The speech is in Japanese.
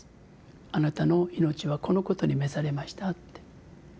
あなたの命はこのことに召されましたって。